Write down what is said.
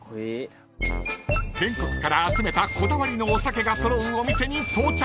［全国から集めたこだわりのお酒が揃うお店に到着］